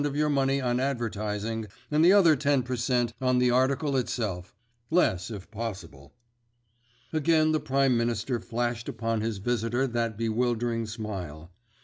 of your money on advertising, and the other ten per cent. on the article itself—less if possible." Again the Prime Minister flashed upon his visitor that bewildering smile.